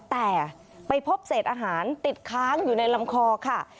แต่ไปพบเศษอาหารติดค้างอยู่ในลำคอค่ะ